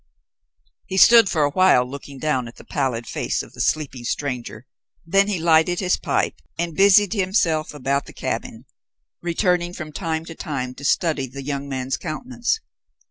He stood for a while looking down at the pallid face of the sleeping stranger, then he lighted his pipe and busied himself about the cabin, returning from time to time to study the young man's countenance.